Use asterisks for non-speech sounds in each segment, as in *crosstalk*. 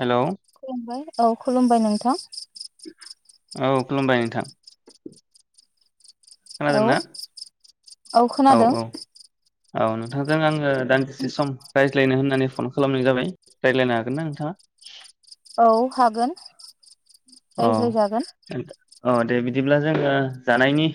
Hello खुलुमबाय औ खुलुमबाय नोंथां औ खुलुमबाय नोंथां औ खोनादोंना औ खोनादों औ नोंथांजों आङो दान्दिसे समाव राय लायनो होननानै फन खालामनाय जाबाय रायलायनो हागोन ना नोंथाङा औ हागोन रायज्लायजागोन अ दे बिदिब्ला जोङो जानायनि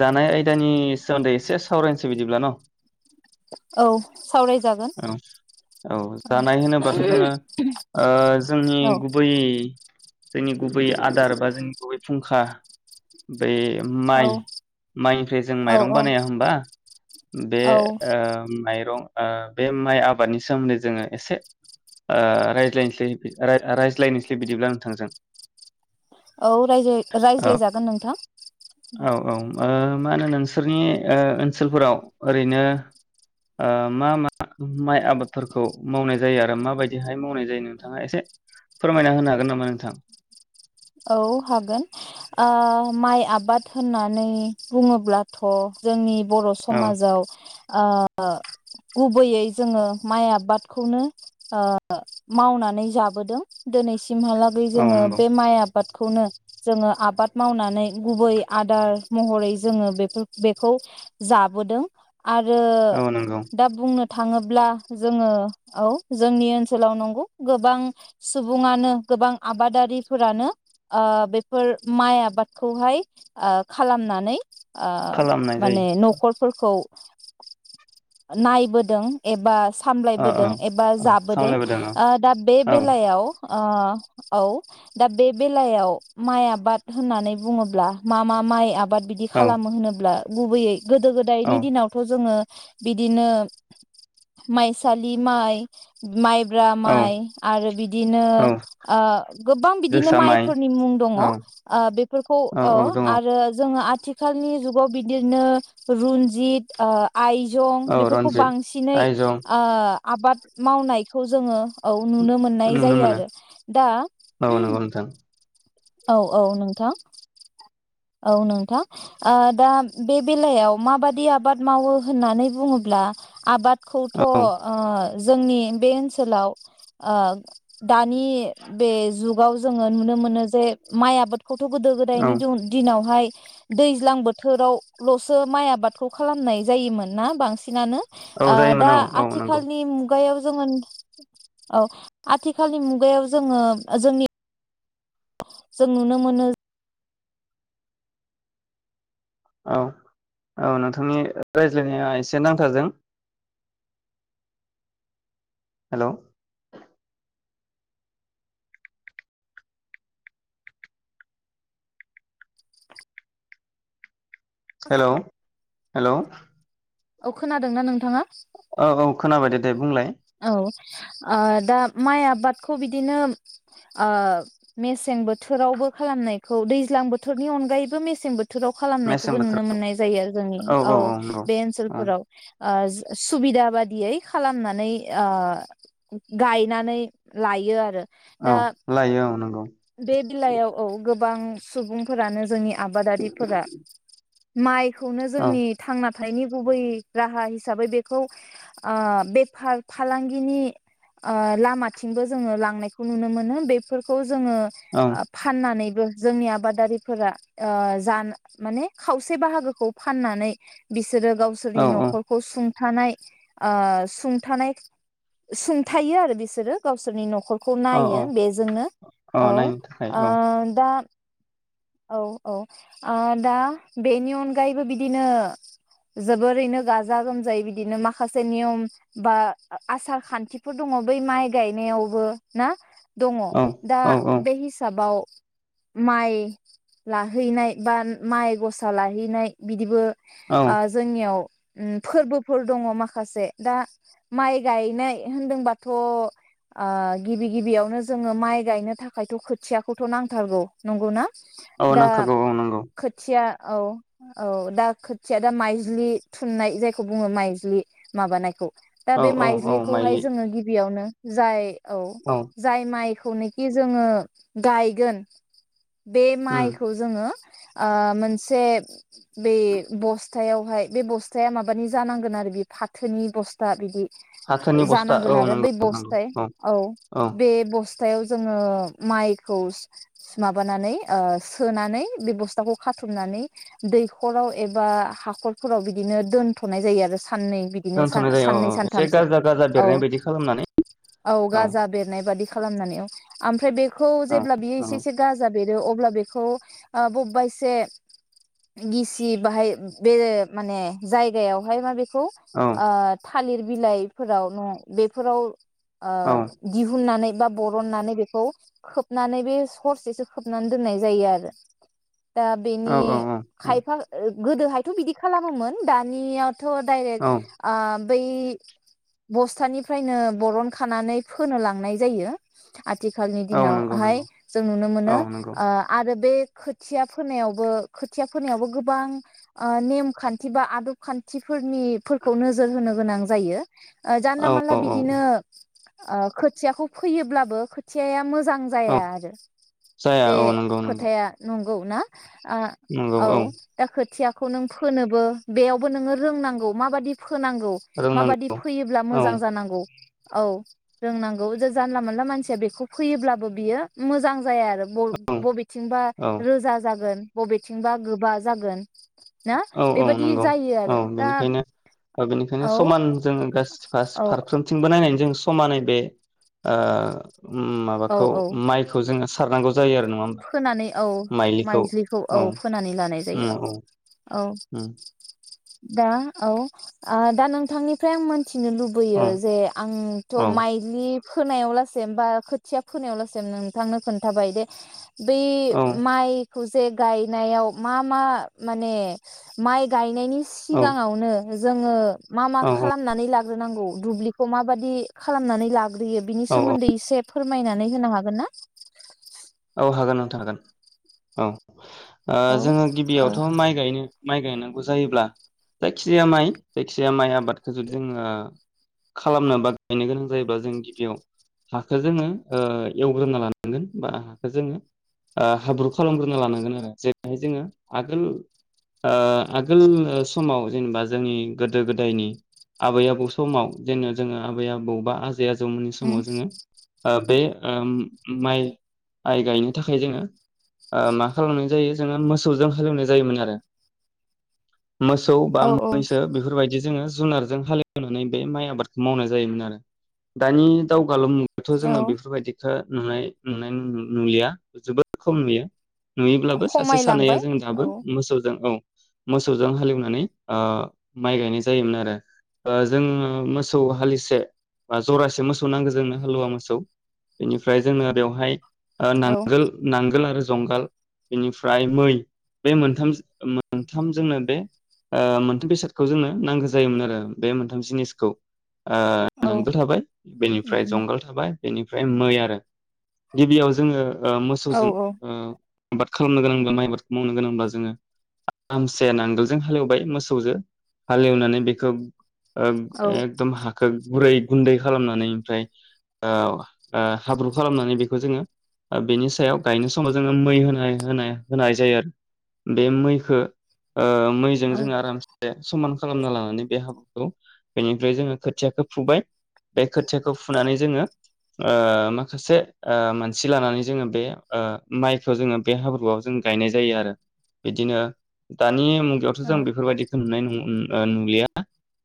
जानाय आयदानि सोमोन्दै एसे सावरायनसै बिदिब्ला न' औ सावरायजागोन औ औ जानाय होनोब्लाथ' जोङो ओ जोंनि औ गुबै जोंनि गुबै आदार बा जोंनि गुबै फुंखा बै माइ औ माइनिफ्राय जों माइरं औ बानाया होनबा बे औ ओ माइरं ओ बे माइ आबादनि सोमोन्दै जोङो एसे ओ रायज्लायनसै रायज्लायनिस्लै बिदिब्ला नोंथांजों औ औ राय-रायज्लायजागोन नोंथां औ औ ओ मा होनो नोंसोरनि ओनसोलफोराव ओरैनो ओ मा मा माइ आबादफोरखौ मावनाय जायो आरो माबायदिहाय मावनाय जायो नोंथाङा एसे फोरमायना होनो हागोन नामा नोंथां औ हागोन ओ माइ आबाद होननानै बुङोब्लाथ' जोंनि बर' औ समाजाव ओ ओ गुबैयै जोङो माइ आबादखौनो ओ‌ मावनानै जाबोदों दोनै सिमहालागै औ जोङो नंगौ बे माइ आ आबादखौनो जोङो आबाद मावनानै गुबै आदार महरै जोङो बेफोर बेखौ जाबोदों आरो औ नंगौ दा बुंनो थाङोब्ला जोङो औ जोंनि ओनसोलाव नंगौ गोबां सुबुङानो गोबां आबादारिफोरानो ओ बेफोर माइ आबादखौहाय ओ खालामनानै ओ खालामनाय जायो माने नखरफोरखौ नायबोदों एबा स औ औ सामलायबोदों एबा औ जाबोदों सामलायबोदों औ ओ दा बे औ बेलायाव ओ औ दा बे बेलायाव माइ आबाद होननानै बुङोब्ला मा मा माइ आबाद बिदि औ खालामो होनोब्ला गुबैयै गोदो औ गोदायनि दिनावथ' जोङो बिदिनो माइसालि माइ माइ ब्रा औ माइ आरो बिदिनो औ ओ गोबां बिदि जोसा माइ माइफोरनि मुं दङ औ औ औ दङ जोङो आथिखालनि जुगाव बिदिनो रुन्जित ओ आइजं औ बेफोरखौ रन्जित बांसिनै आइजं ओ आबाद मावनायखौ जोङो औ नुनो मोननाय नुनो जायो मोनो आरो दा औ नंगौ नोंथां औ औ नोंथां औ नोंथां ओ दा बे बेलायाव माबादि आबाद मावो होननानै बुङोब्ला आबाद खौथ' ओ औ जोंनि बे ओनसोलाव ओ दानि बे जुगाव जोङो नुनो मोनो जे माइ आबाद खौथ' गोदो औ गोदायनि जन नावहाय दैज्लां बोथोरावल'सो माइ आबादखौ खालामनाय जायोमोन ना बांसिनानो औ ओ जायोमोन दा औ औ नंगौ आथिखालनि मुगायाव जोङो औ आथिखालनि मुगायाव जोङो जोंनि जों नुनोमोन औ औ नोंथांनि रायज्लायनाया एसे नांथादों हेलौ हेलौ हेलौ औ खोनादोंना नोंथाङा? औ औ खोनाबाय दे दे बुंलाय औ ओ दा माइ आबादखौ बिदिनो ओ मेसें बोथोरावबो खालामनायखौ दैज्लां बोथोरनि अनगायैबो मेसें बोथो थोराव मेसें खालामनायखौबो नुनो बोथोराव मोननाय जायो आरो जोंनि औ बे औ ओनसोलफोराव ओ सुबिदा बादियै खालामनानै ओ गायनानै लायो आरो औ दा लायो औ नंगौ बे बिलायाव औ गोबां सुबुंफोरानो जोंनि आबादारिफोरा माइ खौनो औ जोंनि थांनानै फथायनि गुबै राहा हिसाबै बेखौ ओ बेफार फालांगिनि ओ लामाथिंबो जोङो लांनायखौ नुनो मोनो बेफोरखौ जोङो औ फाननानै जोंनि आबादारिफोरा ओ ज माने खावसे बाहागोखौ फाननानै बिस जेरो गावसोरनि औ औ न'खरखौ सुं थानाय ओ सुंथानाय सुंथायो आरो बिसोरो गावसोरनि न'खर खौ औ नायो औ बेजोंनो औ ओ नायनो थाखाय औ दा औ औ आ दा बेनि अनगायैबो बिदिनो जोबोरैनो गाजा गोमजायै बिदिनो माखासे नियम बा आसार खान्थिफोर दङ बै माइ गायनायावबो ना दङ औ दा औ औ बे हिसाबाव माइ लाहैनाय बा माइ गसा लाहैनाय बिदिबो औ आ जोंनियाव उम फोरबोफोर दङ माखासे दा माइ गायनाय होनदोंबाथ' ओ गिबि गिबियावनो जोङो माइ गायनो थाखायथ' खोथियाखौथ' नांथारगौ। नंगौना? औ दा नांखागौ औ नांगौ खोथिया औ औ दा खोथिया दा माइज्लि थुननाय जायखौ बुङो माइज्लि माबानायखौ दा औ बे औ औ माइज्लिखौहाय माइलि जोङो गिबियावनो जाय औ जाय माइ खौनोखि जोङो गायगोन बे उम माइखौ जोङो ओ मोनसे बे बस्थायावहाय बे बस्थाया माबानि जानांगोन आरो बे फाथोनि बस्था बिदि फाथोनि बस्था जानांगोन औ आरो नंगौ बै नंगौ बस्थाय औ औ बे बस पथायाव जोङो माइखौ सु सु माबा बोनानै ओ सोनानै बे बस्थाखौ खाथुमनानै दैखराव एबा हाखरफोराव बिदिनो दोनथ'नाय जायो आरो सा साननै बिदिनो सा दोनथ'नाय जायो औ साननै एसे सानथामसो गाजा गाजा औ बेरनाय बायदि खालामनानै औ गाजा बेरनाय बादि खालामनानै औ आमफ्राय बे खौ औ जेब्ला बियो एसे नंगौ एसे जा बेरो अब्ला बेखौ आ ब'बबा एसे गिसि बाहाय बे माने जायगायावहाय मा बेस खौ औ आ थालिर बिलाइफोराव न' बेफोराव ओ औ दिहुननानै बा बरननानै बेखौ खोबनानै बे सं हरसेसो खोबनानै दोननाय जायो आरो। दा औ बेनि औ खायफा ओ। गोदोहायथ बिदि खालामोमोन दानिया थ' दायरेक औ आम बै बस्थानिफ्रायनो बरन खानानै फोनो लांनाय जायो आथिखालनि औ नंगौ दिनावहाय नंगौ जों नुनो औ मोनो नंगौ आ आरो बे खोथिया फोनायावबो खोथिया फोनायावबो गोबां नेम ओ खान्थि बा आदब खान्थिफोरनिफोरखौ नोजोर होनो गोनां जायो जानला औ मानला औ औ बिदिनो ओ खोथियाखौ फोयोब्लाबो खोथियाया मोजां मोजां जाया औ आरो जाया औ नंगौ नंगौ खोथाया नंगौ ना आ औ दा खोथिया खौ नों फोनोबो बेयावबो नोङो रोंनांगौ माबादि फोनांगौ रोंनांगौ माबादि फोयोब्ला औ मोजां जानांगौ औ रोंनांगौ जो जानला मोनला मानसिया बेखौ फोयोब्लाबो बियो मोजां जाया आरो औ ब-बबेथिंबा औ रोजा जागोन बबेथिंबा गोबा जागोन ना औ औ बेबादि नंगौ जायो औ आरो दा बेनिखायनो औ बेनिखायनो समान जोङो गासिफ औ फारफ्रोमथिंबो नायनानै जों समानै बे ओ औ माबाखौ औ माइखौ जोङो सारनांगौ जायो आरो नङा होमबा फोनानै औ माइलिखौ माइज्लिखौ औ फोनानै लानाय जायो औ औ उम दा औ दा आ नोंथांनिफ्राय आं मोन थिनो लुबैयो औ जे आंथ' औ माइज्लि फोनायावलासिम बा खोथिया फोनायावलासिम नोंथांनो खोन्थाबाय दे बे औ माइ खौ जे गायनायाव मा मा माने माइ गायनायनि औ सिगाङावनो जोङो मा मा औ खालामनानै ला ग्रोनांगौ दुब्लिखौ माबादि खालामनानै लाग बेयो बिनि औ सोमोन्दै एसे फोर मायनानै होनो हागोन ना औ हागोन नोंथां हागोन औ ओ औ जोङो औ गिबियावथ' माइ गायनो माइ गायनांगौ जायोब्ला जायखिजाया माइ जायखिजाया माइ आबादखौ जुदि जोङो खालामनो बा गायनो गोनां जायोबा जों गिबियाव हाखौ जोङो ओ एवग्रोना लानांगोन बा जोङो ओ हाब्रु खालामग्रोना लानांगोन आरो जेरैहाय जोङो आगोल ओ आगोल समाव जेनेबा जोंनि गोदो गोदायनि आबै आबौ समाव जेने जोङो आबै आबौ बा आज आजै आजौमोननि समाव उम जोङो ओ बे ओम माइ माइ गायनो थाखाय जोङो ओ मा खालामनाय जायो जोङो मोसौजों हालेवनाय जायोमोन आरो। मोसौ बा औ औ मैसो बेफोरबायदि जोङो जुनारजों हालेवनानै बे माइ आबादखौ मावनाय जायोमोन आरो दानि दाव गालु मुगाथ' जोङो औ बेफोरबायदिखो नुनाय नुनाय आइ नु नुलिया जोबोद खम नुयो। नुयोब्लाबो सासे सानैया खमायलांबाय जों औ दाबो मोसौजों औ मोसौजों हालेवनानै ओ माइ गायनाय जायोमोन आरो ओ जों मोसौ हालिसे जरासे मोसौ नांगौ जोंनो हालुवा मोसौ बेनिफ्राय जोंनो बेवहाय ओ औ नांगोल नांगोल आरो जंगाल बेनिफ्राय मै बे मोन मोनथाम जो मोन्थाम जोंनो बे ओ मोनथाम बेसादखौ जोंनो नांगौ जायोमोन आरो बे मोनथाम जिनिसखौ। ओ‌ औ नांगोल थाबाय उम बेनिफ्राय उम जंगाल थाबाय बेनिफ्राय मै आरो गिबियाव जोङो ओ औ मोसौजों औ ओ बाद खालामनो गोनांब्ला माइ आबादखौ मावनो गोनांब्ला जोङो आरामसे नांगोलजों हालेवबाय मोसौजो‌ हाल एवनानै बेखो ओम औ एकदम‌‌ हाखोन गुरै गुन्दै खालामनानै ओमफ्राय ओ ओ हाब्रु खालामनानै बे खौ जोङो ओ बेनि सायाव गायनाय समाव जोङो मै होनाय-होनाय-होनाय जायो आरो बे मैखो ओ मैजों औ जोङो आरामसे समान खालामना लानानै बे हाबाखौ बेनिफ्राय जोङो खोथियाखो फुबाय बे खोथियाखौ फुनानै जोङो ओ माखासे ओ मानसि लानानै जोङो बे ओ माइखो जोङो बे हाब्रुआव जों गायनाय जायो आरो बिदिनो दा नि मुगायावथ' जों बेफोरबायदिखो नुनाय नं उम आ नुलिया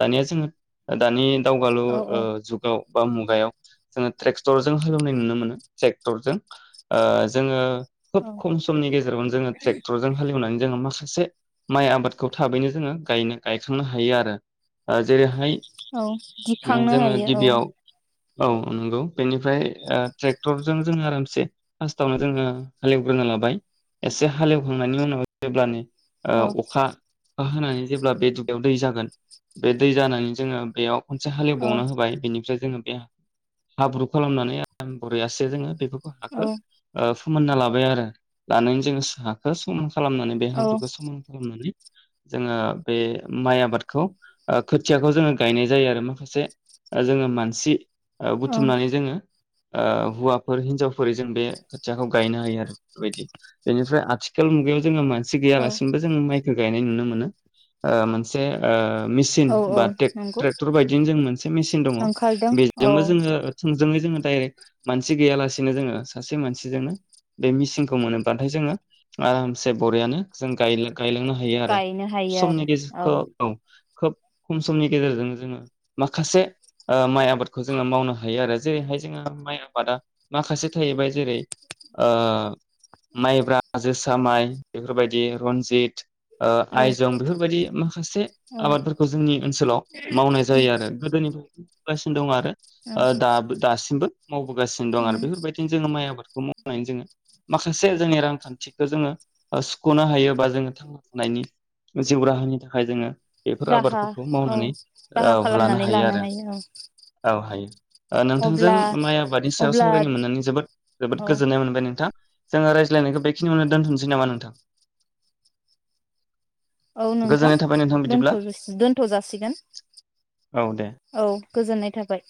दानिया जोङो दानि दावगालु औ ओ औ जुगाव बा मुगायाव जोङो ट्रेक्टर जों हालौनाय नुनो मोनो। ट्रेक्टरजों ओ जोङो खोब औ खम समनि गेजेरावनो जोङो ट्रेक्टरजों हालेवनानै जोङो माखा इसे माइ आबादखौ थाबैनो जोङो गायनो गायखांनो हायो आरो। ओ जेरैहाय औ नो दिखांनो जोङो हायो औ गिबियाव औ नंगौ बेनिफ्राय ओ ट्रेक टर जों जोङो आरामसे फास्ट आवनो जोङो हालेवग्रोना लाबाय एसे हालेवखांनायनि उनाव जेब्लानि ओ औ अखा होनानै जेब्ला बे दुब्लियाव दै जागोन बे दै जानानै जोङो बेयाव खनसे औ हालेवबावना होबाय बेनिफ्राय जोङो हाब्रु खालामनानै औ आराम *unintelligible* *unintelligible* फोमोनना लाबाय आरो लानानै जोङो हाखौ स खालामनानै बे औ हाब्रुखौ समान खालामनानै जोङो बे माइ आबादखौ ओ खोथियाखौ जोङो गायनाय जायो आरो माखासे ओ जोङो मानसि ओ बुथुमनानै जोङो ओ‌ हौवाफोर हिन्जाव फोरै जों बे खोथियाखौ गायनो हायो आरो बेफोरबायदि बेनिफ्राय आथिखाल मुगायाव जोङो मे सि औ गैयालासिनोबो जोङो माइखौ गायनाय नुनो मोनो ओ मोनसे ओ मेसिन औ औ बा टेक नंगौ ट्रेकटर बायदिनो मोनसे मेचिन दङ। ओंखारदों औ बेजोंबो जोङो थों जोंङो जों दाइरेट मानसि गैयालासेनो जोङो सासे मानसिजोंनो बे मिसिनखौ मोनोबाथाय जोङो आरामसे बरियानो जों गायला गायलांनो हायो आरो गायनो हायो समनि गेजेरखौ आरो औ खोब खम समनि गेजेरजों जोङो माखासे ओ माइ आबादखौ जोङो मावनो हायो आरो जेरैहाय जोङो माइ आबादा माखासे थाहैबाय जेरै ओ माइब्रा जोसा माइ बेफोरबायदि रनजित ओ औ आयजं बेफोरबायदि माखासे औ आबादफोरखौ जोंनि ओनसोलाव मावनाय जायो आरो गोदोनिफ्राय हागासिनो दं आरो। औ ओ दाबो दासिमबो मावबोगासिनो दं आरो उम बेफोरबायदिनो जोङो माइ आबाद मावनानै जोङो माखासे जोंनि रांखान्थिखौ जोङो ओ सुखनो हायो बा जोङो थांना थानायनि जिउ राहानि थाखाय जोङो बेफोर राहा आबादफोरखौ औ मावनानै राहा औ लानो खालामनानै हायो आरो औ औ हायो। *inaudible* ओ नोंथांजों अब्ला माइ आबादनि सायाव अब्ला सावरायनो मोननानै जोबोद जोबोद औ गोजोननाय मोनबाय नोंथां। जोङो रायज्लायनायखौ बेखिनियावनो दोनथ'सै नामा नोंथां? औ नोंथां गोजोननाय थाबाय नोंथां बिदिब्ला दोनथ दोनथ जासिगोन औ दे औ। गोजोननाय थाबाय।